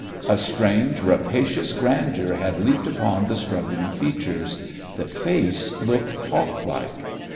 A strange, rapacious grandeur had leaped upon the struggling features. The face looked hawk like.